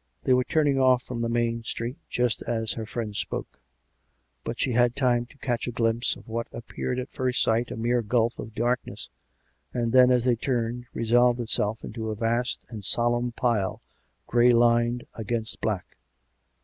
... They were turning off from the main street just as her friend spoke; but she had time to catch a glimpse of what appeared at first sight a mere gulf of darkness, and then, as they turned, resolved itself into a vast and solemn pile, grey lined against black.